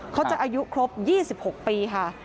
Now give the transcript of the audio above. เขาจะอายุครบ๒๖ปีค่ะ